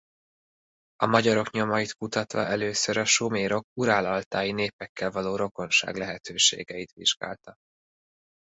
A magyarok nyomait kutatva először a sumérok ural-altaji népekkel való rokonság lehetőségeit vizsgálta.